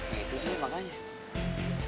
ya itu dia makanya